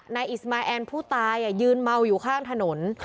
นายอิสมาแอนผู้ตายยืนเมาอยู่ข้างถนน